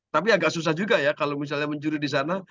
tapi agak susah juga ya kalau misalnya mencuri di sana